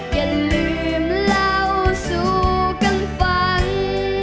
อย่าลืมเล่าสู่กันฟัง